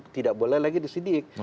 tidak boleh lagi disidik